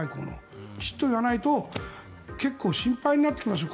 きちんと言わないと結構心配になってきますよ